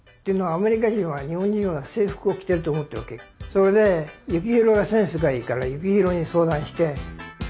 それで幸宏がセンスがいいから幸宏に相談して。